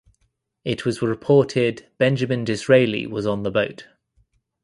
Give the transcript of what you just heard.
It was reported Benjamin Disraeli was on the boat.